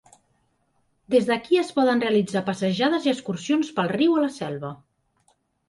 Des d'aquí es poden realitzar passejades i excursions pel riu a la selva.